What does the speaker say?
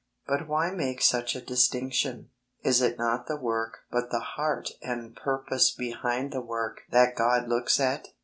But why make such a distinction ? It is not the work, but the heart and purpose behind the work that God looks at.